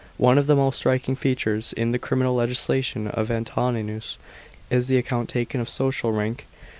One of the most striking features in the criminal legislation of Antoninus, is the account taken of social rank.